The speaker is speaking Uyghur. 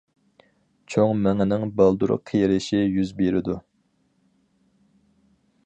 چوڭ مېڭىنىڭ بالدۇر قېرىشى يۈز بېرىدۇ.